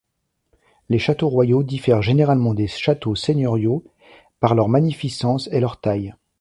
Les châteaux royaux diffèrent généralement des châteaux seigneuriaux par leur magnificence et leur taille.